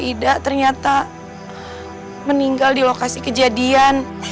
ida ternyata meninggal di lokasi kejadian